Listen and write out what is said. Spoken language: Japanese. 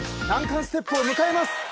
難関ステップを迎えます。